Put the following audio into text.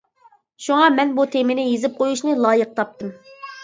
شۇڭا مەن بۇ تېمىنى يېزىپ قويۇشنى لايىق تاپتىم.